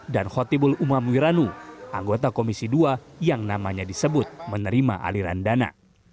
dan khotibul umam wiranu anggota komisi ii yang namanya disebut menerima aliran dana